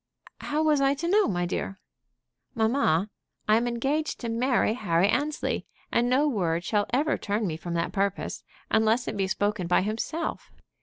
"How was I to know, my dear?" "Mamma, I am engaged to marry Harry Annesley, and no word shall ever turn me from that purpose, unless it be spoken by himself.